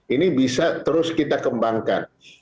ini bisa terus kita kembangkan